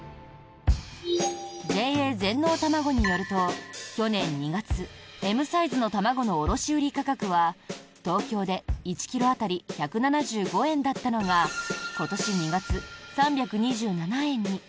ＪＡ全農たまごによると去年２月Ｍサイズの卵の卸売価格は東京で１ｋｇ当たり１７５円だったのが今年２月、３２７円に。